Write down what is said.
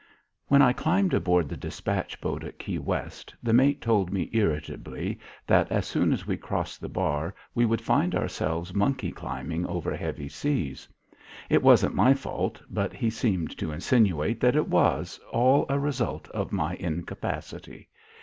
When I climbed aboard the despatch boat at Key West, the mate told me irritably that as soon as we crossed the bar, we would find ourselves monkey climbing over heavy seas. It wasn't my fault, but he seemed to insinuate that it was all a result of my incapacity.